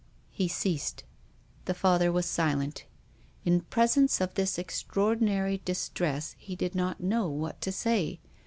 He ceased. The Father was silent. In pres ence of this extraordinary distress he did not know what to say.